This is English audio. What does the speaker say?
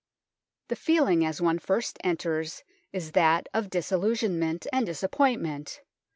The feeling as one first enters is that of dis illusionment and disappointment.